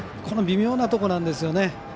この微妙なところなんですよね。